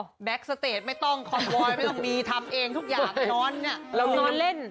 เป็นไงแบ็คสเตสไม่ต้องคอมพลอยไม่ต้องมีทำเองทุกอย่างนอนนอนเล่น